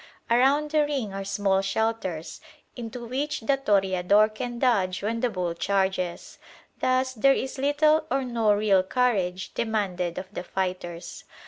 Around the ring are small shelters into which the toreador can dodge when the bull charges. Thus there is little or no real courage demanded of the fighters.